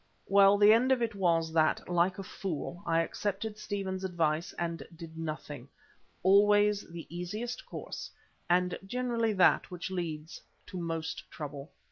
Well, the end of it was that, like a fool, I accepted Stephen's advice and did nothing, always the easiest course and generally that which leads to most trouble.